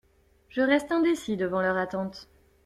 Je reste indécis devant leur attente.